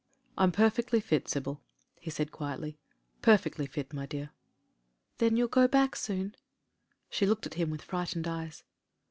'I'm perfectly fit, Sybil," he said quietly — "per fectly fit, my dear." "Then you'll go back soon?" She looked at him with frightened eyes.